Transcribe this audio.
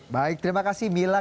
baik terima kasih mila